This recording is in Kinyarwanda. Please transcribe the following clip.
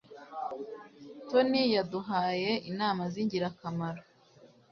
Tony yaduhaye inama zingirakamaro.